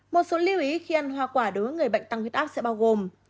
một số lưu ý khi ăn hoa quả đối với người bệnh tăng huyết áp sẽ bao gồm